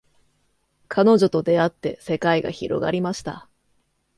彼女と出会って世界が広がりました